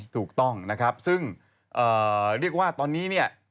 ถูกต้องนะครับซึ่งเรียกว่าตอนนี้เนี่ย